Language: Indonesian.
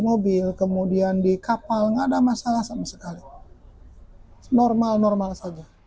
mobil kemudian di kapal nggak ada masalah sama sekali normal normal saja